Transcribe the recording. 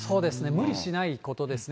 無理しないことですね。